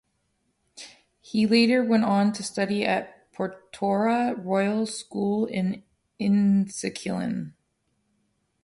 He later went on to study at Portora Royal School in Enniskillen.